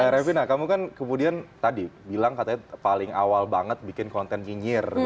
revina kamu kan kemudian tadi bilang katanya paling awal banget bikin konten nyinyir